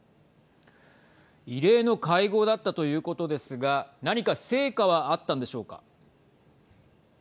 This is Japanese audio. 異例の会合だったということですが何か成果はあったんでしょうか。